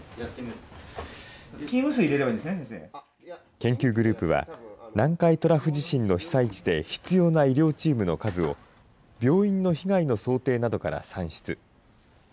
研究グループは、南海トラフ地震の被災地で必要な医療チームの数を、病院の被害の想定などから算出。